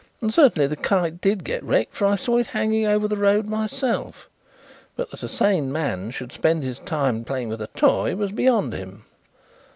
And certainly the kite did get wrecked, for I saw it hanging over the road myself. But that a sane man should spend his time 'playing with a toy' was beyond him."